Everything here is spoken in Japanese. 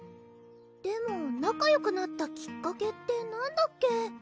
でも仲よくなったきっかけって何だっけ？